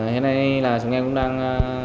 hiện nay là chúng em cũng đang